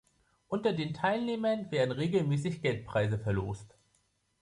Unter den Teilnehmern werden regelmäßig Geldpreise verlost.